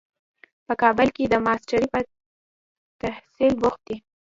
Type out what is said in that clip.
په کابل کې د ماسټرۍ په تحصیل بوخت دی.